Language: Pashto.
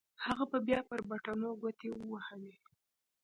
هغه بيا پر بټنو گوټې ووهلې.